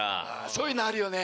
そういうのあるよね。